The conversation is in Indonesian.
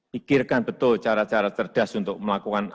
pikirkan betul cara cara cerdas untuk melakukan